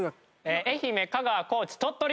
愛媛香川高知鳥取。